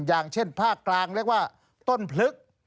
อย่างเช่นภาคกลางเรียกว่าต้นพลึก